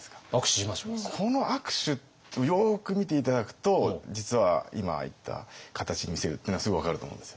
この握手よく見て頂くと実は今言った形に見せるっていうのはすごい分かると思うんですよ。